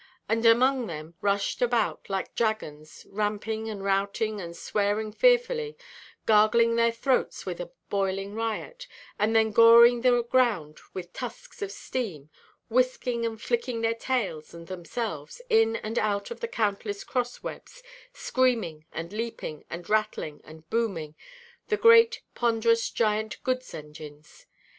And among them rushed about, like dragons—ramping, and routing, and swearing fearfully, gargling their throats with a boiling riot, and then goring the ground with tusks of steam, whisking and flicking their tails, and themselves, in and out at the countless cross–webs, screaming, and leaping, and rattling, and booming—the great ponderous giant goods–engines.